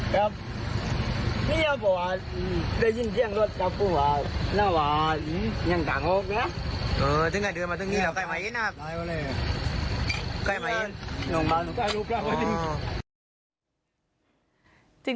ก็มีไฟฉายติดอยู่ข้างบน